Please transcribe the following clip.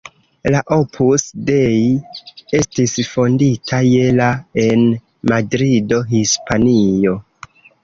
La Opus Dei estis fondita je la en Madrido, Hispanio.